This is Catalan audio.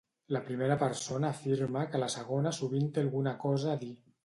La primera persona afirma que la segona sovint té alguna cosa a dir?